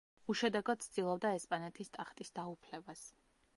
უშედეგოდ ცდილობდა ესპანეთის ტახტის დაუფლებას.